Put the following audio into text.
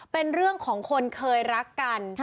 เป็นเรื่องของคนเคยรักกัน